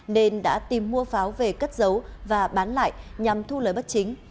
nên đã tìm mua pháo về cất giấu và bán lại nhằm thu lời bất chính